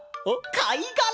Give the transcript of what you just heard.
かいがら！